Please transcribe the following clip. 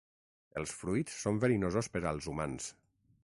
Els fruits són verinosos per als humans.